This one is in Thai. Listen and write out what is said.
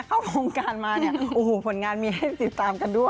เข้าโครงการมาเนี่ยโอ้โหผลงานมีให้ติดตามกันด้วย